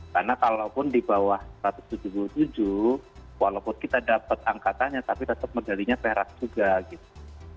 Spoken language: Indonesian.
karena kalau pun di bawah satu ratus tujuh puluh tujuh walaupun kita dapat angkatannya tapi tetap medalinya perak juga gitu